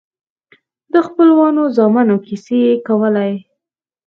د خپلو زامنو کيسې يې کولې.